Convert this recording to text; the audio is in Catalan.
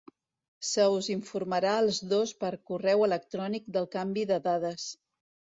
Se us informarà als dos per correu electrònic del canvi de dades.